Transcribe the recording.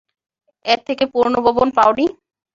এর থেকে পুরোনো ভবন পাওনি?